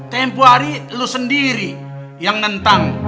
tempoh hari lu sendiri yang nentang